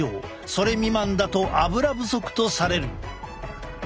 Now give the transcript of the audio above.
それ未満だとアブラ不足とされる。